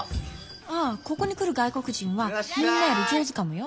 ああここに来る外国人はみんなより上手かもよ。